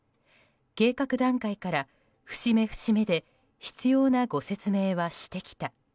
計画段階から節目節目で必要なご説明はしてきた。